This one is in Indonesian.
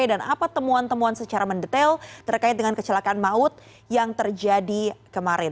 dan apa temuan temuan secara mendetail terkait dengan kecelakaan maut yang terjadi kemarin